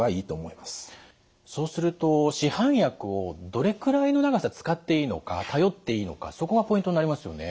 そうすると市販薬をどれくらいの長さ使っていいのか頼っていいのかそこがポイントになりますよね。